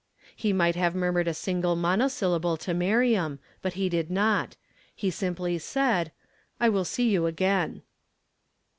He might have murmured a single monosyllable to Miriam, but he did not; he simply said, "I will see you again."